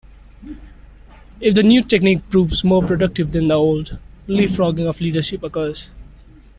If the new technique proves more productive than the old, leapfrogging of leadership occurs.